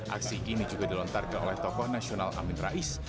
aksi ini juga dilontarkan oleh tokoh nasional amin rais